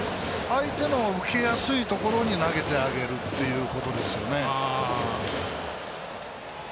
相手の受けやすいところに投げてあげるということですね。